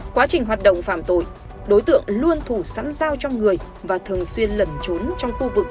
quá trình hoạt động phạm tội đối tượng luôn thủ sẵn giao cho người và thường xuyên lẩn trốn trong khu vực